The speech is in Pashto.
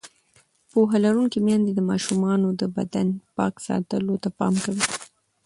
پوهه لرونکې میندې د ماشومانو د بدن پاک ساتلو ته پام کوي.